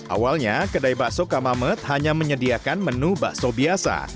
awalnya kedai bakso kamamet hanya menyediakan menu bakso biasa